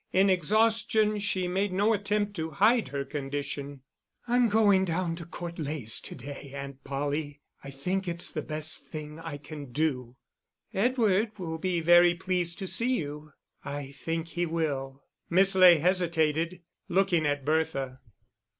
In exhaustion she made no attempt to hide her condition. "I'm going down to Court Leys to day, Aunt Polly. I think it's the best thing I can do." "Edward will be very pleased to see you." "I think he will." Miss Ley hesitated, looking at Bertha.